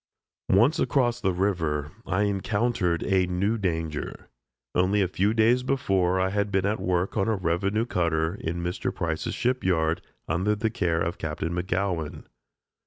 Once across the river I encountered a new danger. Only a few days before I had been at work on a revenue cutter, in Mr. Price's ship yard, under the care of Captain McGowan.